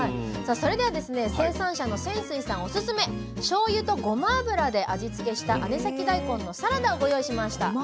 さあそれではですね生産者の泉水さんオススメしょうゆとごま油で味付けした姉崎だいこんのサラダをご用意しました。